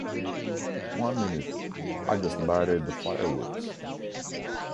One minute. I just lighted the fireworks.